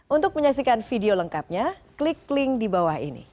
untuk menyaksikan video lengkapnya klik link di bawah ini